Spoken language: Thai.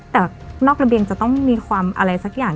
แต่นอกระเบียงจะต้องมีความอะไรสักอย่าง